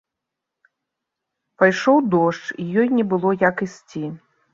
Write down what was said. Пайшоў дождж, і ёй не было як ісці.